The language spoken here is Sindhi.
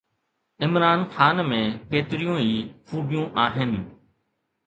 عمران خان ۾ ڪيتريون ئي خوبيون آهن.